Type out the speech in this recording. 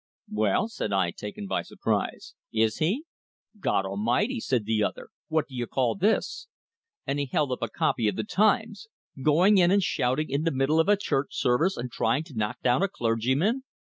"Well," said I, taken by surprise, "is he?" "God Almighty!" said the other. "What do you call this?" And he held up a copy of the "Times." "Going in and shouting in the middle of a church service, and trying to knock down a clergyman!"